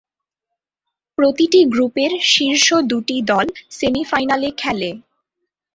প্রতিটি গ্রুপের শীর্ষ দুটি দল সেমিফাইনালে খেলে।